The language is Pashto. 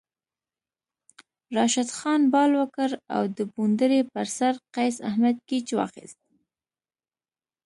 راشد خان بال وکړ او د بونډرۍ پر سر قیص احمد کیچ واخیست